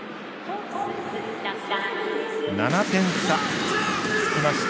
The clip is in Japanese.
７点差つきまして